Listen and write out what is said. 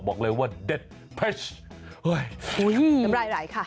บอกเลยว่าเด็ดอุ้ยอุ้ยอุ้ยผล่ายค่ะ